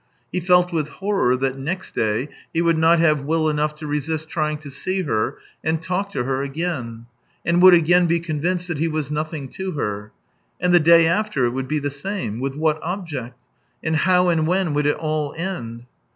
He felt with horror that next day he would not have will enough to resist trying to see her and talk to her again, and would again be convinced that he was nothing to her. And the day after — it would be the same. With what object ? And how and when would it all end